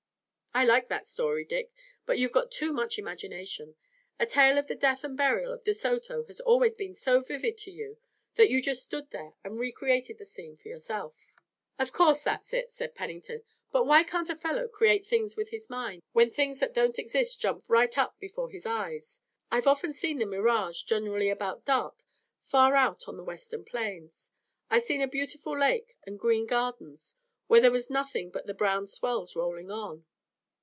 "I like that story, Dick, but you've got too much imagination. The tale of the death and burial of De Soto has always been so vivid to you that you just stood there and re created the scene for yourself." "Of course that's it," said Pennington, "but why can't a fellow create things with his mind, when things that don't exist jump right up before his eyes? I've often seen the mirage, generally about dark, far out on the western plains. I've seen a beautiful lake and green gardens where there was nothing but the brown swells rolling on."